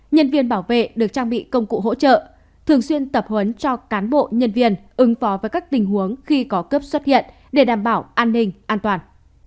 nhân viên bảo vệ được trang bị công cụ hỗ trợ thường xuyên tập huấn cho cán bộ nhân viên ứng phó với các tình huống khi có cấp xuất hiện để đảm bảo an ninh an toàn